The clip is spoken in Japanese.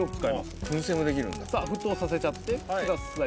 カズレーザー：さあ沸騰させちゃってください。